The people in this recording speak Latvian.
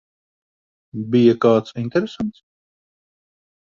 Bija kāds interesants?